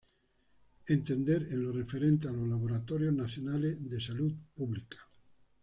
Entender en lo referente a los laboratorios nacionales de salud pública.